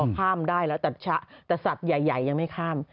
แต่สัตว์ใหญ่ยังไม่ข้าม